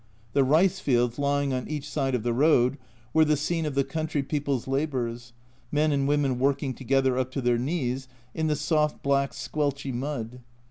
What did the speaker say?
The rice fields lying on each side of the road were the scene of the country people's labours, men and women working together up to their knees in the soft black squelchy mud.